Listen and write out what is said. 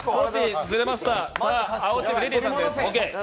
青チーム、リリーさんです。